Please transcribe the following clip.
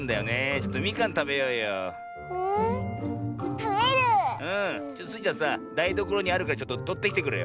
ちょっとスイちゃんさだいどころにあるからちょっととってきてくれよ。